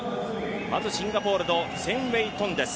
まずシンガポールのツェンウェイ・トンです。